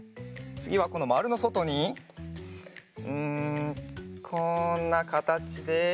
つぎはこのまるのそとにうんこんなかたちで。